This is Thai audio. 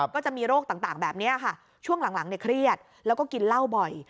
ก็จะมีโรคต่างแบบนี้ค่ะช่วงหลังเครียดแล้วก็กินเหล้าบ่อย